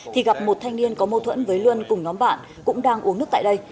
thì gặp một thanh niên có mâu thuẫn với luân cùng nhóm bạn cũng đang uống nước tại đây